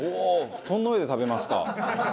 布団の上で食べますか」